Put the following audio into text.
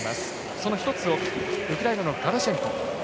その１つウクライナのガラシェンコ。